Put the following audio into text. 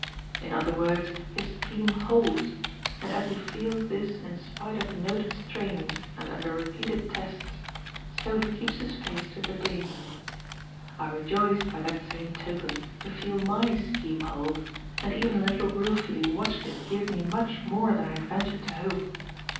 In other words his scheme HOLDS, and as he feels this in spite of noted strains and under repeated tests, so he keeps his face to the day. I rejoiced, by that same token, to feel MY scheme hold, and even a little ruefully watched it give me much more than I had ventured to hope.